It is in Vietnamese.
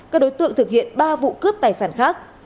các đối tượng thực hiện ba vụ cướp tài sản khác